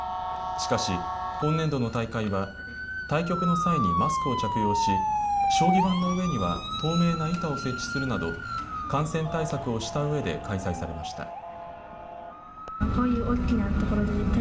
しかし、今年度の大会は対局の際にマスクを着用し、将棋盤の上には透明な板を設置するなど感染対策をしたうえで開催されました。